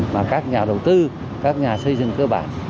mà các nhà đầu tư các nhà xây dựng cơ bản